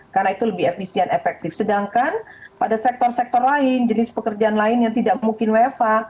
karena itu lebih efisien efektif sedangkan pada sektor sektor lain jenis pekerjaan lain yang tidak mungkin uefa